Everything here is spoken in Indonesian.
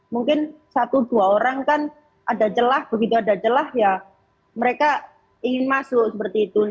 mungkin satu dua orang kan ada celah begitu ada celah ya mereka ingin masuk seperti itu